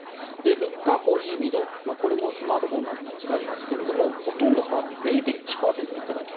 フッ化ポリイミドこれもスマートフォンなどに使いますけどもほとんど変わらずに０．１％減っただけ。